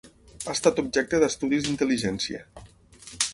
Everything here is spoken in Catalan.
Ha estat objecte d'estudis d'intel·ligència.